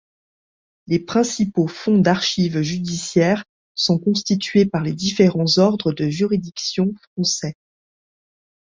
Les principaux fonds d'archives judiciaires sont constitués par les différents ordres de juridiction français.